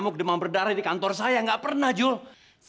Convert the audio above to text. kamu kedemam berdarah di kantor saya nggak pernah jules